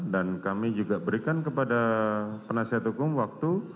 dan kami juga berikan kepada penasihat hukum waktu